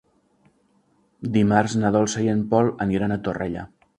Dimarts na Dolça i en Pol aniran a Torrella.